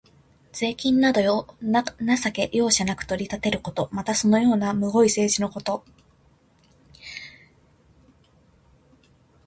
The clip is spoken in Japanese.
税金などを情け容赦なく取り立てること。また、そのようなむごい政治のこと。